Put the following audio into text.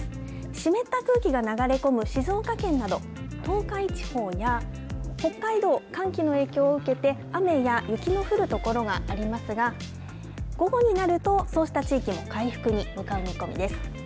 湿った空気が流れ込む静岡県など東海地方や北海道寒気の影響を受けて雨や雪の降る所がありますが午後になると、そうした地域も回復に向かう見込みです。